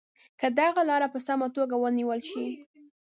که دغه لاره په سمه توګه ونیول شي.